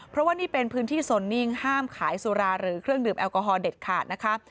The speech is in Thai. เพราะว่านี่เป็นพื้นที่โซนนิ่งห้ามขายสุราหรือเครื่องดื่มแอลกอฮอลเด็ดขาดนะคะ